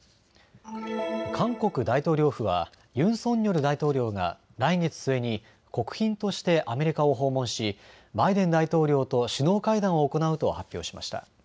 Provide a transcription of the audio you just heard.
韓国大統領府はユン・ソンニョル大統領が来月末に国賓としてアメリカを訪問しバイデン大統領と首脳会談を行うと発表しました。